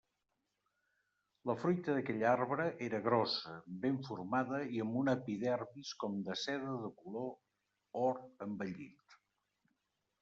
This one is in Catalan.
La fruita d'aquell arbre era grossa, ben formada i amb una epidermis com de seda de color or envellit.